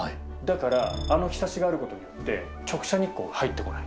あのひさしがあることによって直射日光が入って来ない。